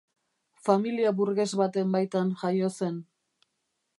Familia burges baten baitan jaio zen.